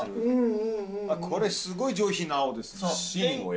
これすごい上品な青ですし。